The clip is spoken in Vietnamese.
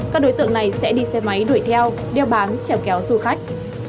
các đối tượng này sẽ đi xe máy đuổi theo đeo bán treo kéo du khách